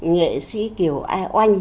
nghệ sĩ kiều oanh